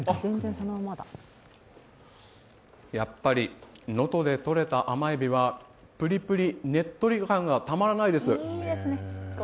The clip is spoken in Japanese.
やっぱり、能登でとれた甘えびはプリプリ、ねっとり感がたまらないです。